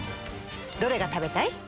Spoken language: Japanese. どれが食べたい？